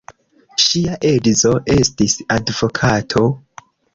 Ŝia edzo estis advokato.